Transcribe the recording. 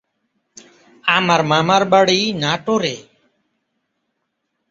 আমার মামার বাড়ি নাটোরে।